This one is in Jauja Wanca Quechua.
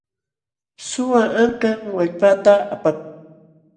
Suwa ankam wallpaata apakun.